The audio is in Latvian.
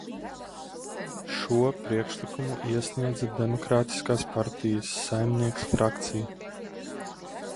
"Šo priekšlikumu iesniedza Demokrātiskās partijas "Saimnieks" frakcija."